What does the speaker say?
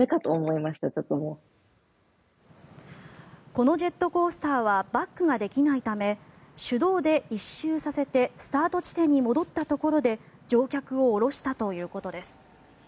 このジェットコースターはバックができないため手動で１周させてスタート地点に戻ったところで乗客を降ろしたということです。